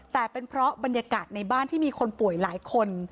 แต่เป็นเพราะบรรยากาศในบ้านที่มีคนป่วยหลายคน